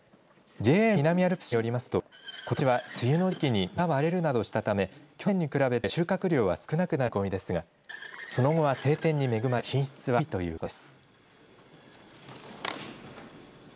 ＪＡ南アルプス市によりますとことしは梅雨の時期に実が割れるなどしたため去年に比べて収穫量は少なくなる見込みですがその後は晴天に恵まれ品質はよいということです。